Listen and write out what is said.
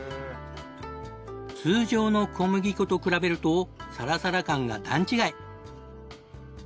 通常の小麦粉と比べるとサラサラ感が段違い。